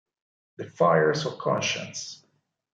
The Fires of Conscience